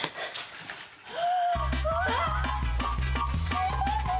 「すいません！